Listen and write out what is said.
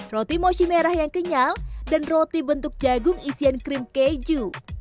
roti mochi merah yang kenyal dan roti bentuk jagung isian krim keju